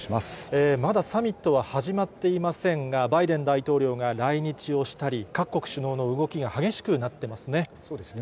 まだサミットは始まっていませんが、バイデン大統領が来日をしたり、各国首脳の動きが激しくそうですね。